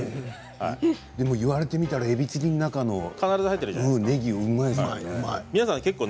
言われてみたらえびチリの中のねぎは、うまいですよね。